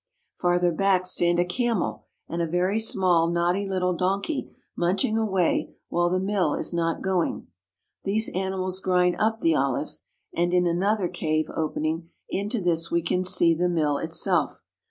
Farther back stand a camel and a very small, knotty little donkey munching away while the mill is not go ing. These animals grind up the olives, and in another cave opening into this we can see the mill itself.